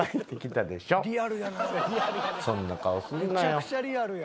めちゃくちゃリアルや。